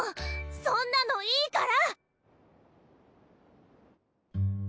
そんなのいいから！